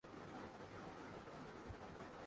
وہ اپنے شوہر سے قریب کھڑی رہی۔